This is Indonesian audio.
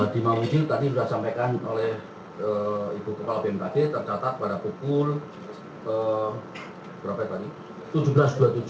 di mamuju tadi sudah disampaikan oleh ibu kepala bmkg tercatat pada pukul tujuh belas dua puluh tujuh